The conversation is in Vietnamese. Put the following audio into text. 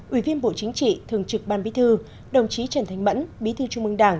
ủy viên bộ chính trị thường trực ban bí thư đồng chí trần thanh mẫn bí thư trung mương đảng